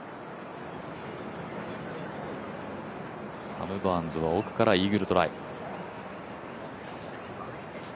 サム・バーンズは奥からイーグルトライ。